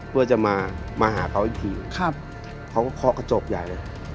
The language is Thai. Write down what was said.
เขาก็เคาะกระจกใหญ่เลย